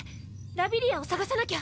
ラビリアを捜さなきゃ。